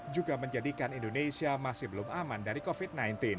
juga menjadikan indonesia masih belum aman dari covid sembilan belas